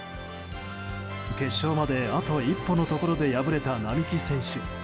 決勝まであと一歩のところで敗れた並木選手。